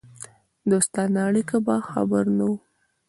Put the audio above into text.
دوستانه اړیکو به خبر نه وو.